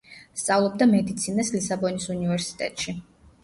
სწავლობდა მედიცინას ლისაბონის უნივერსიტეტში.